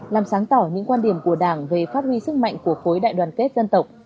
làm sáng tỏ những quan điểm của đảng về phát huy sức mạnh của khối đại đoàn kết dân tộc